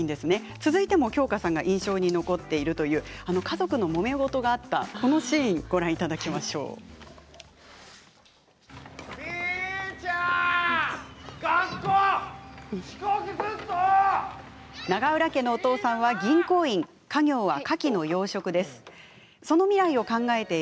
続いても京香さんが印象に残っているという家族のもめ事があったあのシーンをご覧ください。